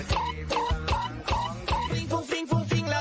เจ๊ก็อลขอบคุณค่ะ